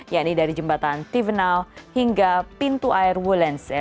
yakni dari jembatan tivnau hingga pintu air wollensee